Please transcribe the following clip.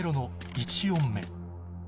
１音目。